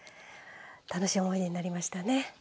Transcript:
楽しい思い出になりましたね。